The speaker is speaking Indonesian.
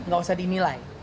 gak usah dimilai